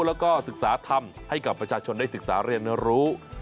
แล้วก็ศึกษาธรรมให้กับประชาชนได้ศึกษาเรียนรู้